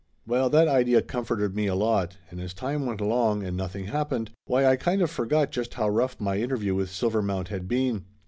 Well, that idea comforted me a lot and as time went along and nothing happened, why I kind of forgot just how rough my interview with Silvermount had been.